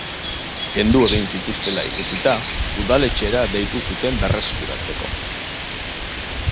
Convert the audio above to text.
Kendu egin zituztela ikusita, udaletxera deitu zuten berreskuratzeko.